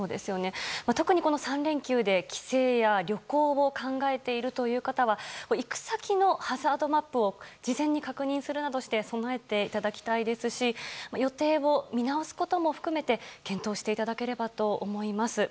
特にこの３連休で帰省や旅行を考えているという方は行く先のハザードマップを事前に確認するなどして備えていただきたいですし予定を見直すことも含めて検討していただければと思います。